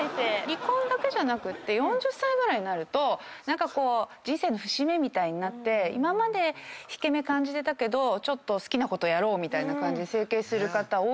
離婚だけじゃなくって４０歳ぐらいになると何かこう人生の節目みたいになって今まで引け目感じてたけど好きなことやろうみたいな感じで整形する方多いんですよ。